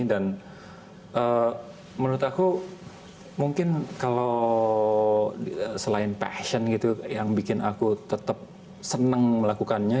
dan menurut aku mungkin kalau selain passion gitu yang bikin aku tetap seneng melakukannya